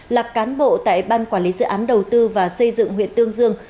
là cán bộ tại ban quản lý dự án đầu tư và xây dựng huyện tương dương